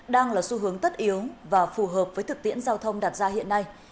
đang là xu hướng tất yếu và phù hợp với thực tiễn giao thông đặt ra hiện nay